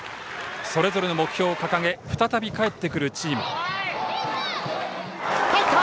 それぞれの目標を掲げ再び帰ってくるチーム。